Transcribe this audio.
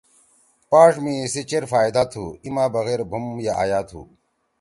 پاݜ می اِسی چیر فائدا تُھو۔ ای ما بغیر بُھوم یأ آیا تُھو۔